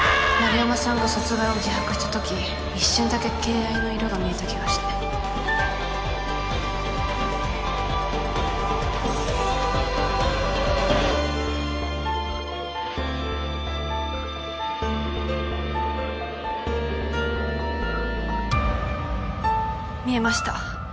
円山さんが殺害を自白したとき一瞬だけ「敬愛」の色が見えた気がして見えました。